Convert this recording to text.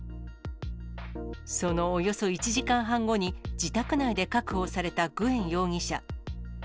そのおよそ１時間半後に、自宅内で確保されたグエン容疑者。